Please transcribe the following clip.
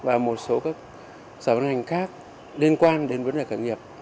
và một số các sở ngành khác liên quan đến vấn đề khởi nghiệp